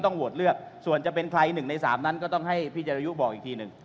โหวตเลือกส่วนจะเป็นใคร๑ใน๓นั้นก็ต้องให้พี่เจรยุบอกอีกทีหนึ่ง